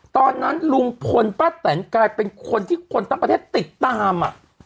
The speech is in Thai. ตอนนั้นลุงพลป้าแตนกลายเป็นคนที่คนทั้งประเทศติดตาม